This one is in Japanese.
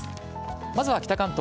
まずは北関東。